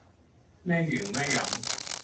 แม่หญิงแม่หยัง